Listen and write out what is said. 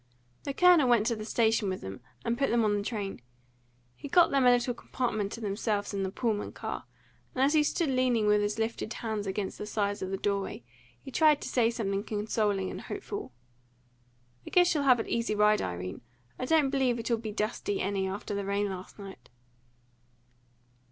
The Colonel went to the station with them, and put them on the train. He got them a little compartment to themselves in the Pullman car; and as he stood leaning with his lifted hands against the sides of the doorway, he tried to say something consoling and hopeful: "I guess you'll have an easy ride, Irene. I don't believe it'll be dusty, any, after the rain last night."